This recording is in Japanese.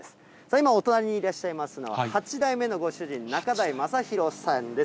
今、お隣にいらっしゃいますのは、８代目のご主人、中代正啓さんです。